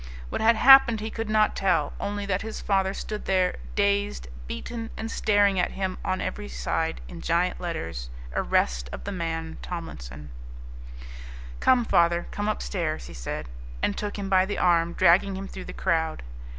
What had happened he could not tell, only that his father stood there, dazed, beaten, and staring at him on every side in giant letters: ARREST OF THE MAN TOMLINSON "Come, father come upstairs," he said, and took him by the arm, dragging him through the crowd.